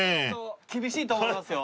厳しいと思いますよ。